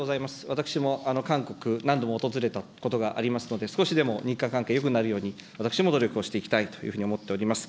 私も韓国、何度も訪れたことがありますので、少しでも日韓関係よくなるように、私も努力をしていきたいというふうに思っております。